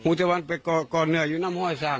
อืม